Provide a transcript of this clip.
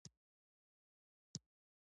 ایا ستاسو خپلواکي به و نه ساتل شي؟